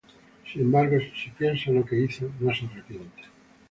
Sin embargo, si piensa en lo que hizo, no se arrepiente.